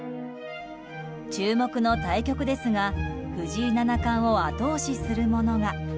注目の対局ですが、藤井七冠を後押しするものが。